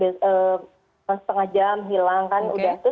setengah jam hilang kan